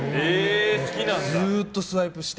ずっとスワイプして。